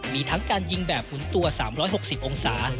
มีทั้งการยิงแบบหุนตัว๓๖๐องศา